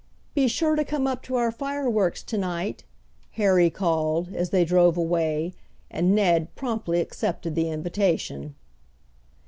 "Be sure to come up to our fireworks tonight," Harry called, as they drove away, and Ned promptly accepted the invitation.